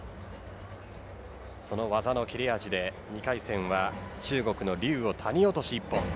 その技の切れ味で２回戦は中国の劉を谷落一本。